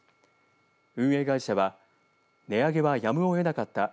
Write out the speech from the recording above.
運営会社は値上げは、やむをえなかった。